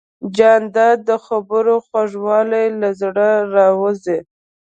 جانداد د خبرو خوږوالی له زړه راوزي.